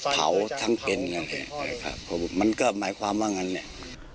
เผาทั้งตังค่อนข้างมันก็หมายความว่างันเนี่ย